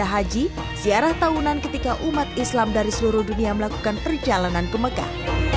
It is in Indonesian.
ibadah haji ziarah tahunan ketika umat islam dari seluruh dunia melakukan perjalanan ke mekah